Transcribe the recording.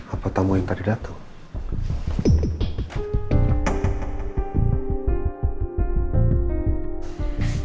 apa tamu yang tadi datang